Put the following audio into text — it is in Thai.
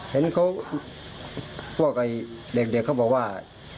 เห็นเขาพวกเด็กเขาบอกว่า